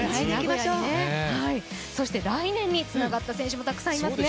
そして来年につながった選手もたくさんいましたね。